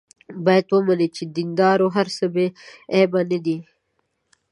باید ومني چې د دیندارو هر څه بې عیبه نه دي.